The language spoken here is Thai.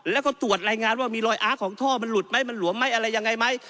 แล้วก็ตรวจรายงานว่ามีรอยอาร์ตของท่อมันหลุดไหมมันหลวมไหมอะไรยังไงไหม